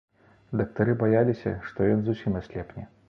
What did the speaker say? Дактары баяліся, што ён зусім аслепне.